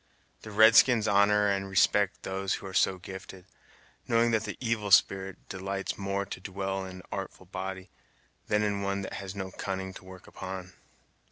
The red skins honor and respect them who are so gifted, knowing that the Evil Spirit delights more to dwell in an artful body, than in one that has no cunning to work upon."